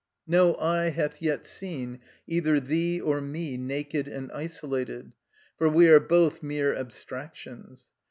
No eye hath yet seen either thee or me naked and isolated; for we are both mere abstractions.